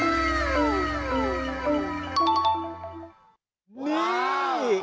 จากท่านวันนี้งับเจอกับเรา